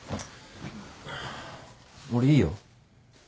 俺いいよ。